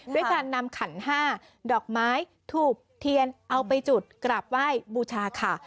ด้วยการนำขันห้าดอกไม้ถูกเทียนเอาไปจุดกราบไหว้บูชาค่ะ